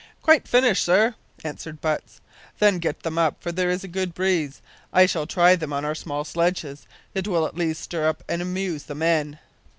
"Quite finished, sir," answered Butts. "Then get them up, for there is a good breeze. I shall try them on our small sledges. It will at least stir up and amuse the men."